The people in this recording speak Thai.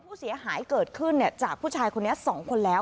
ผู้เสียหายเกิดขึ้นจากผู้ชายคนนี้๒คนแล้ว